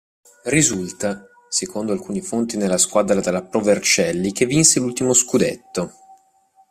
Risulta, secondo alcune fonti nella squadra della Pro Vercelli che vinse l'ultimo scudetto.